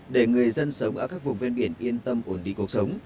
để người dân sống ở các vùng ven biển yên tâm ổn định cuộc sống